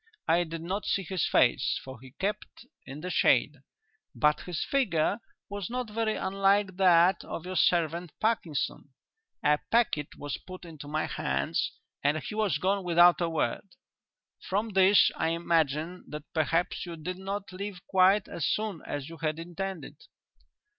I did not see his face for he kept in the shade, but his figure was not very unlike that of your servant Parkinson. A packet was put into my hands and he was gone without a word. From this I imagine that perhaps you did not leave quite as soon as you had intended.